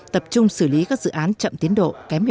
tập trung xử lý các dự án chậm tiến độ kém